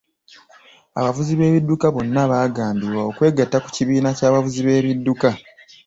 Abavuzi b'ebidduka bonna baagambibwa okwegatta ku kibiina ky'abavuzi b'ebidduka.